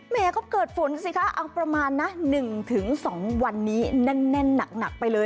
แม่ก็เกิดฝนสิคะเอาประมาณนะ๑๒วันนี้แน่นหนักไปเลย